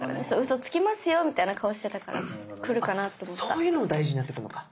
そういうのも大事になってくるのか！